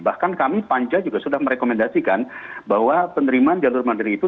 bahkan kami panca juga sudah merekomendasikan bahwa penerimaan jalur mandiri itu